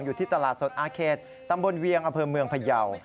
อยู่ที่ตลาดสดอาเขตตำบลเวียงอำเภอเมืองพยาว